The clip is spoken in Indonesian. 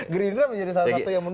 gerindra menjadi salah satu yang